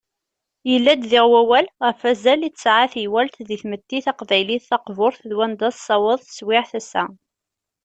Yella-d diɣ, wawal ɣef wazal i tesɛa teywalt deg tmetti taqbaylit taqburt, d wanda tessaweḍ teswiɛt ass-a.